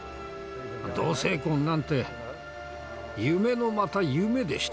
同性婚なんて夢のまた夢でした。